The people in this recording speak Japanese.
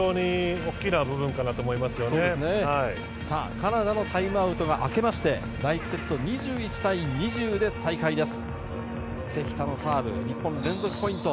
カナダのタイムアウトが明けまして第１セット、２１対２０で再開です。